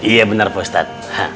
iya benar ustaz